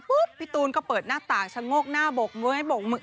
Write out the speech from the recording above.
พี่ตูนก็เปิดหน้าต่างชะโงกหน้าบกมือให้บกมือ